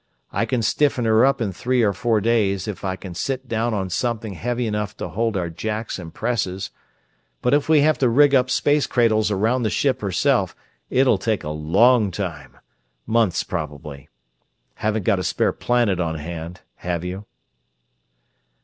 I can stiffen her up in three or four days if I can sit down on something heavy enough to hold our jacks and presses; but if we have to rig up space cradles around the ship herself it'll take a long time months, probably. Haven't got a spare planet on hand, have you?"